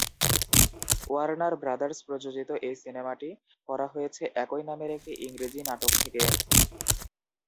Warner Brothers প্রযোজিত এই সিনেমাটি করা হয়েছে একই নামের একটি ইংরেজি নাটক থেকে।